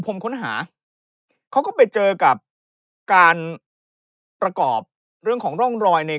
ค้นหาเขาก็ไปเจอกับการประกอบเรื่องของร่องรอยใน